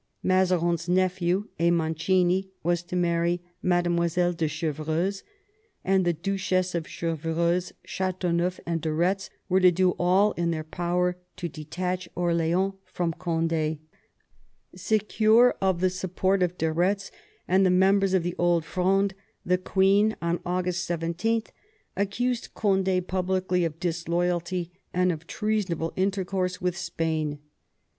Mazarin's nephew, a Mancini, was to marry Madlle. de Chevreuse; and the Duchess of Chevreuse, Ch^teauneuf, and de Retz were to do all in their power to detach Orleans from Cond^. Secure of the support of de Eetz and the members of the Old Fronde, the queen, on August 17, accused Conde publicly of dis loyalty and of treasonable intercourse with Spain.